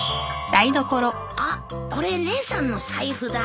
あっこれ姉さんの財布だ。